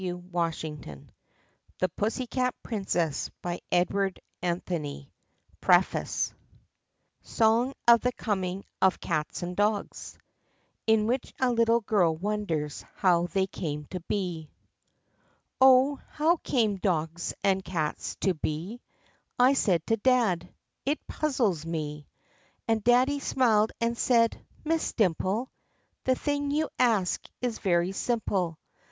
©C1A683496 TO THE MEMORY OF MY MOTHER —AND A RARE SENSE OF HUMOR SONG OF THE COMING OF CATS AND DOGS (In which a little girl wonders how they came to be.) "Oh, how came dogs and cats to be*?" I said to dad; "it puzzles me." And daddy smiled and said, "Miss Dimple, The thing you ask is very simple.